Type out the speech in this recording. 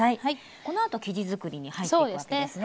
このあと生地づくりに入っていくわけですね。